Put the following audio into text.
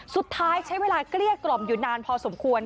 สุดท้ายใช้เวลาเกลี้ยกล่อมอยู่นานพอสมควร